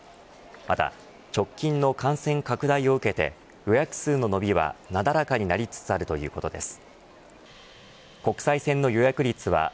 また、直近の感染拡大を受けて予約数の伸びはなだらかになりつつあるということです。